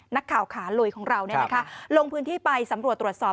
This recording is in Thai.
นักข่าวขาลุยของเราลงพื้นที่ไปสำรวจตรวจสอบ